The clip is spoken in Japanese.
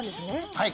はい。